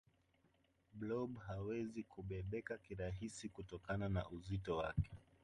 blob hawezi kubebeka kirasi kutokana na uzito wake